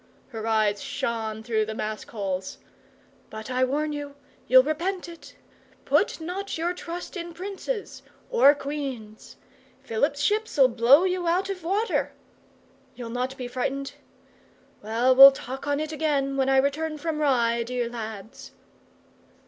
Her eyes shone through the mask holes. 'But I warn you you'll repent it. Put not your trust in princes or Queens. Philip's ships'll blow you out of water. You'll not be frightened? Well, we'll talk on it again, when I return from Rye, dear lads.